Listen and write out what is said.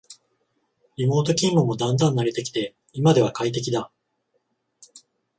リモート勤務もだんだん慣れてきて今では快適だ